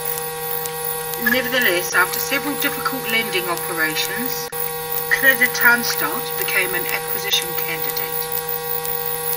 Nevertheless, after several difficult lending operations, "Creditanstalt" became an acquisition candidate.